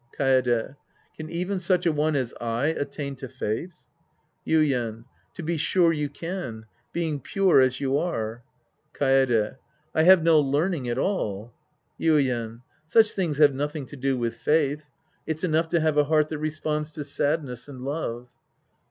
Kaede. Can even such a one as I attain to faith ? Yuien. To be sure you can. Being pure as you are. Kaede. I have no learning at all. Yuien. Such things have nothing to do with faith. It's enough to have a heart that responds to sadness and love.